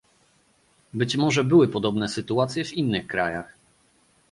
Być może były podobne sytuacje w innych krajach